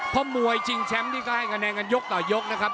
เพราะมวยชิงแชมป์นี่ก็ให้คะแนนกันยกต่อยกนะครับ